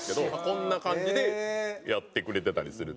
こんな感じでやってくれてたりするっていう。